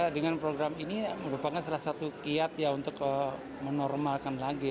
dengan program ini merupakan salah satu kiat ya untuk menormalkan lagi